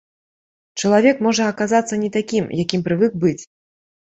Чалавек можа аказацца не такім, якім прывык быць.